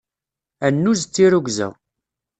Annuz d tirrugza.